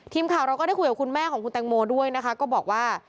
ทีมข่าวเราก็ได้คุยกับคุณแม่ของคุณแตงโมด้วยนะคะก็บอกว่า